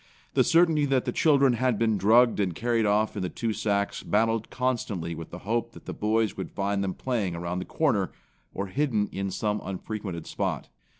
The certainty that the children had been drugged and carried off in the two sacks battled constantly with the hope that the boys would find them playing around the corner, or hidden in some unfrequented spot.